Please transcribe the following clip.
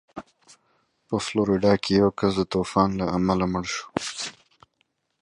One person died from the effects of the storm in Florida.